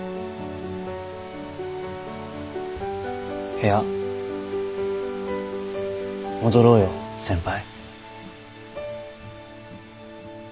部屋戻ろうよ先輩。